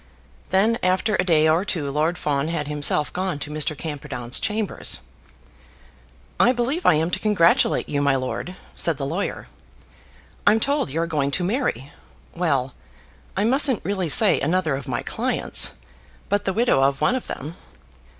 Then, after a day or two, Lord Fawn had himself gone to Mr. Camperdown's chambers. "I believe I am to congratulate you, my lord," said the lawyer. "I'm told you are going to marry ; well, I mustn't really say another of my clients, but the widow of one of them.